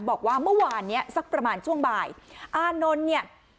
บอกว่าเมื่อวานเนี้ยสักประมาณช่วงบ่ายอานนท์เนี่ย